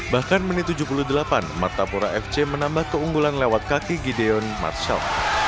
bahkan menit tujuh puluh delapan martapura fc menambah keunggulan lewat kaki gideon marshall